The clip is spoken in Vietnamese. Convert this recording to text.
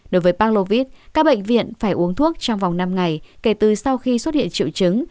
đối với panglovid các bệnh viện phải uống thuốc trong vòng năm ngày kể từ sau khi xuất hiện triệu chứng